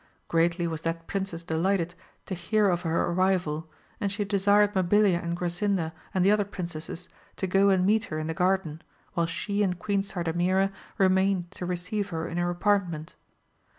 Greatly was that princess delighted to hear of her arrival, and she desired Mabilia and Grasinda and the other princesses to go and meet her in the garden, while she and Queen Sardamira remained to receive her in her apartment.